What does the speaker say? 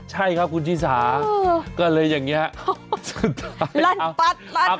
ใช่ครับคุณชิสาก็เลยอย่างนี้สุดท้ายลั่นปัดปัด